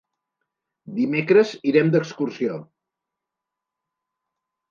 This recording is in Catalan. Dimecres irem d'excursió.